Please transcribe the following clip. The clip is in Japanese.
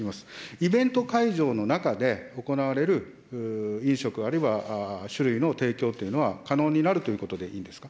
イベント会場の中で行われる飲食、あるいは酒類の提供というのは可能になるということでいいですか。